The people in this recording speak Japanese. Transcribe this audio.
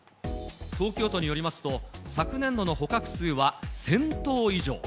東京都によりますと、昨年度の捕獲数は１０００頭以上。